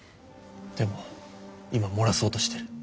でも今漏らそうとしてる。